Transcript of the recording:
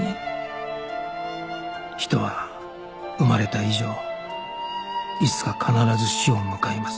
人は生まれた以上いつか必ず死を迎えます